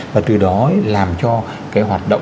và từ đó làm cho cái hoạt động